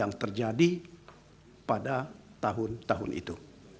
yang terjadi pada tahun tahun itu